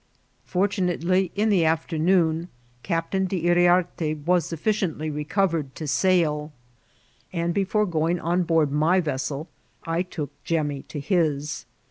Fortunately, in the afternoon Oaptain D'Yriarte y^rm sufficiently recovered to sail, and before going on board my vessel I took Jemmy to his.